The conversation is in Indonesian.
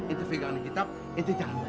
itu figurannya kitab itu jangan bayar